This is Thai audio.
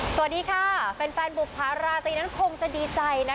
สวัสดีค่ะแฟนบุภาราตรีนั้นคงจะดีใจนะคะ